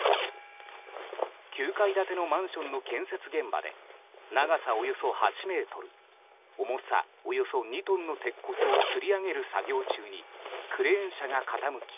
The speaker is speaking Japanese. ９階建てのマンションの建設現場で長さおよそ８ｍ重さおよそ２トンの鉄骨をつり上げる作業中にクレーン車が傾き